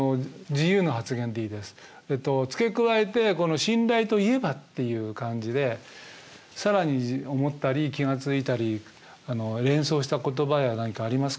付け加えて「信頼といえば」っていう感じで更に思ったり気が付いたり連想した言葉や何かありますか？